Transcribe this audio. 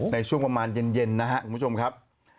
ในช่วงประมาณเย็นนะครับคุณผู้ชมครับ